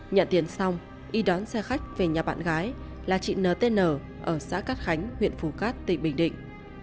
nhận tiền xong y đón xe khách về nhà bạn gái là chị n t n ở xã cát khánh huyện phú cát tỉnh bình định